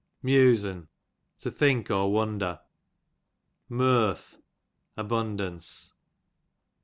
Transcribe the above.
Muse^n, to think or wonder . Murth, abundance.